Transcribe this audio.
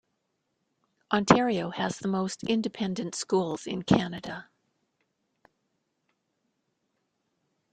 Ontario has the most independent schools in Canada.